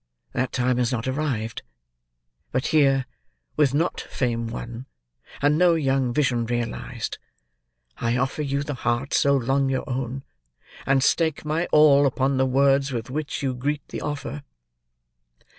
That time has not arrived; but here, with not fame won, and no young vision realised, I offer you the heart so long your own, and stake my all upon the words with which you greet the offer."